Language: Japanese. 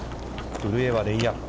古江はレイアップ。